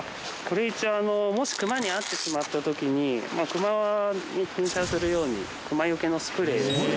これ一応もしクマに会ってしまった時にクマに噴射する用にクマよけのスプレーです。